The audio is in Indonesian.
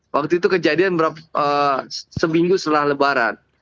waktu itu kejadian seminggu setelah lebaran